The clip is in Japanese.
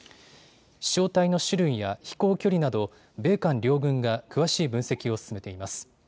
飛しょう体の種類や飛行距離など米韓両軍が詳しい分析を進めています。